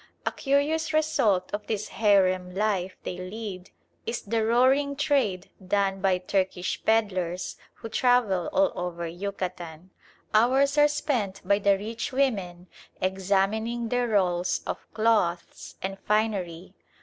A curious result of this harem life they lead is the roaring trade done by Turkish pedlars who travel all over Yucatan. Hours are spent by the rich women examining their rolls of cloths and finery.